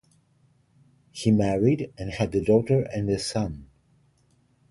He married, and had a daughter and son.